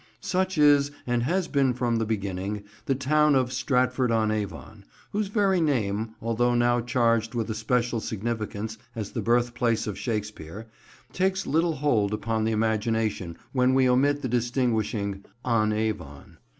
Such is, and has been from the beginning, the town of Stratford on Avon, whose very name, although now charged with a special significance as the birthplace of Shakespeare, takes little hold upon the imagination when we omit the distinguishing "on Avon."